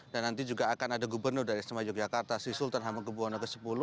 dan nanti juga akan ada gubernur dari sma yogyakarta sri sultan hamengkebuwono